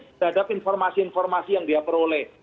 terhadap informasi informasi yang dia peroleh